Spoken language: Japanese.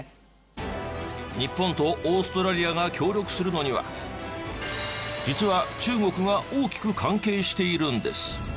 日本とオーストラリアが協力するのには実は中国が大きく関係しているんです。